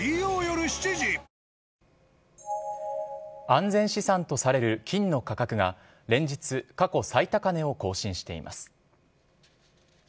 安全資産とされる金の価格が、連日、過去最高値を更新しています。